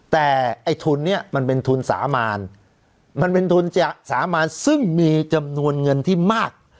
แต่ไอ้ทุนเนี่ยมันเป็นทุนสามารมันเป็นทุนจะสามานซึ่งมีจำนวนเงินที่มาก